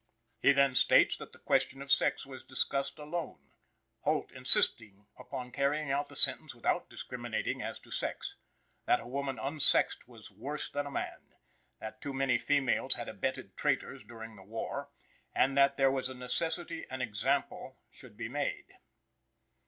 He then states that the question of sex was discussed alone; Holt insisting upon carrying out the sentence without discriminating as to sex; that a woman unsexed was worse than a man; that too many females had abetted traitors during the war, and that there was a necessity an example should be made.